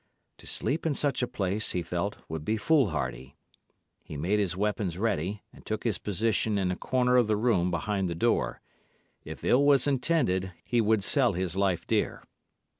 To sleep in such a place, he felt, would be foolhardy. He made his weapons ready, and took his position in a corner of the room behind the door. If ill was intended, he would sell his life dear.